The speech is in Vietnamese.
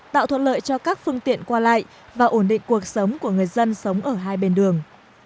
tạo thuận lợi cho các phương tiện qua lại và ổn định cuộc sống của người dân sống ở hai bên đường